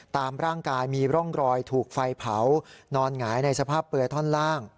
ตามร่างกายมีร่องรอยถูกไฟเผานอนหงายในสภาพเปลือยท่อนล่าง